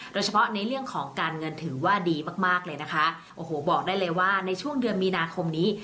โดยเฉพาะในเรื่องของการเงินถือว่าดีมากมากเลยนะคะโอ้โหบอกได้เลยว่าในช่วงเดือนมีนาคมนี้